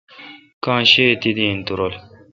کاں شہ اؘ تیدی این تو رل۔